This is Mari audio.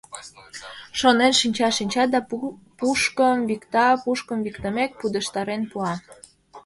Шонен шинча-шинча да пушкым викта, пушкым виктымек, пудештарен пуа.